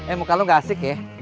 eh muka lo gak asik ya